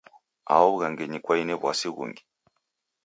Aho w'ughangenyi kwaine w'wasi ghungi ?